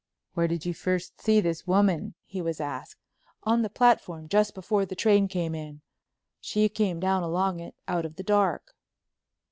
"Where did you first see this woman?" he was asked. "On the platform, just before the train came in. She came down along it, out of the dark."